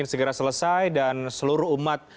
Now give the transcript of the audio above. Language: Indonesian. segera selesai dan seluruh umat